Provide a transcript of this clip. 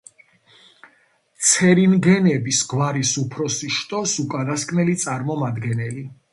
ცერინგენების გვარის უფროსი შტოს უკანასკნელი წარმომადგენელი.